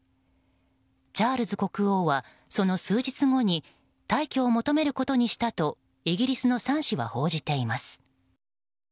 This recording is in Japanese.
チャールズ国王は、その数日後に退去を求めることにしたとイギリスのサン紙は報じています。